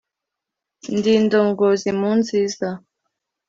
Ndi indongozi mu nziza